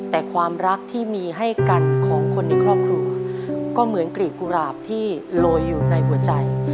แต่ความรักที่มีให้กันของคนในครอบครัวก็เหมือนกรีบกุหลาบที่โรยอยู่ในหัวใจ